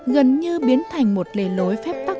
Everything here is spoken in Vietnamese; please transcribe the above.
gần như biến thành một lề lối phép tác